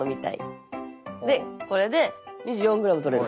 でこれで２４ｇとれる。